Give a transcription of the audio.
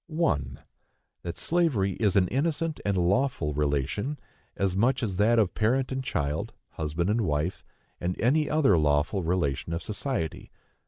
1. That slavery is an innocent and lawful relation, as much as that of parent and child, husband and wife, or any other lawful relation of society.